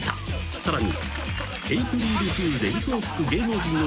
［さらに］